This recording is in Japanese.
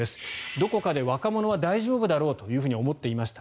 どこかで若者は大丈夫だろうと思っていました